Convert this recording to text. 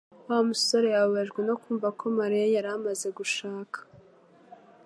Wa musore yababajwe no kumva ko Mariya yari amaze gushaka